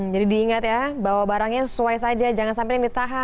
jadi diingat ya bawa barangnya sesuai saja jangan sampai ditahan